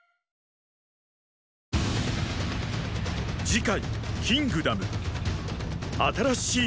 次回「キングダム」